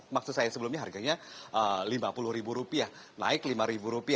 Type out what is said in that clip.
maksud saya sebelumnya harganya rp lima puluh naik rp lima